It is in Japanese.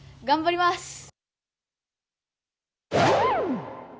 頑張ります。